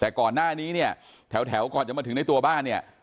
แต่ก่อนหน้านี้เนี่ยแถวก่อนจะมาถึงในตัวบ้านเนี่ย